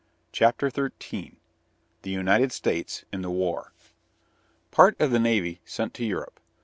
CHAPTER XIII THE UNITED STATES IN THE WAR PART OF THE NAVY SENT TO EUROPE.